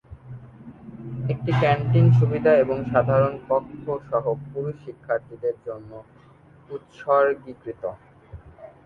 একটি ক্যান্টিন সুবিধা এবং সাধারণ কক্ষ সহ পুরুষ শিক্ষার্থীদের জন্য উত্সর্গীকৃত।